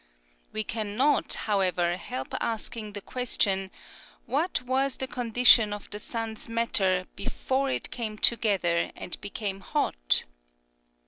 We cannot, however, help asking the question, What was the condition of the sun's matter before it came together and became hot?